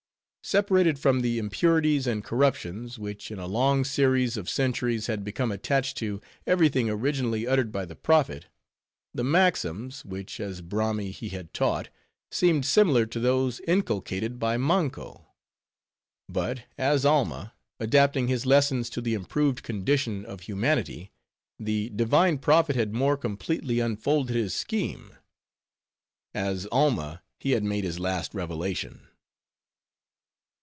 Separated from the impurities and corruptions, which in a long series of centuries had become attached to every thing originally uttered by the prophet, the maxims, which as Brami he had taught, seemed similar to those inculcated by Manko. But as Alma, adapting his lessons to the improved condition of humanity, the divine prophet had more completely unfolded his scheme; as Alma, he had made his last revelation.